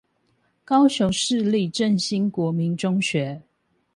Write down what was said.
高雄市立正興國民中學